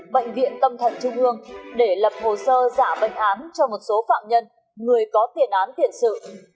bệnh viện tâm thần trung ương để lập hồ sơ giả bệnh án cho một số phạm nhân người có tiền án tiền sự